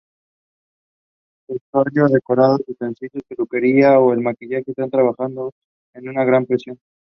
Vestuario, decorados, utensilios, peluquería o el maquillaje están trabajados con una gran precisión.